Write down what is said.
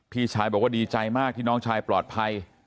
พี่ชายบอกว่าดีใจมากที่น้องชายปลอดภัย